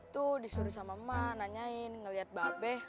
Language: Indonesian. tuh disuruh sama emak nanyain ngeliat mbak beh